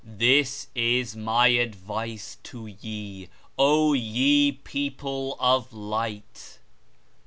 This is My advice to ye, O ye People of Light!